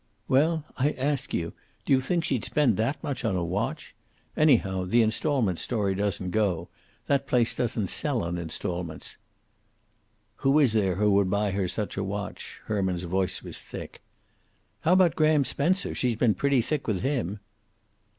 "Well, I ask you, do you think she'd spend that much on a watch? Anyhow, the installment story doesn't go. That place doesn't sell on installments." "Who is there would buy her such a watch?" Herman's voice was thick. "How about Graham Spencer? She's been pretty thick with him."